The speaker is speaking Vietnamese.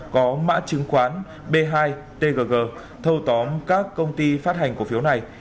có mã chứng khoán b hai tgg thâu tóm các công ty phát hành cổ phiếu này